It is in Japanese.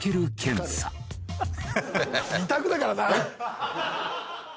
２択だからな。